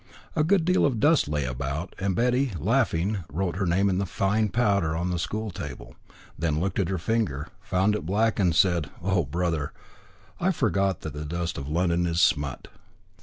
A good deal of dust lay about, and Betty, laughing, wrote her name in the fine powder on the school table, then looked at her finger, found it black, and said, "Oh, bother! I forgot that the dust of London is smut."